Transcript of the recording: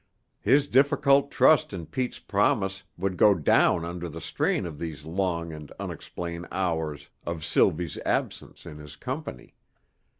His difficult trust in Pete's promise would go down under the strain of these long and unexplained hours of Sylvie's absence in his company.